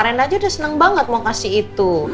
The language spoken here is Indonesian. rena aja udah seneng banget mau kasih itu